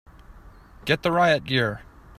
Get the riot gear!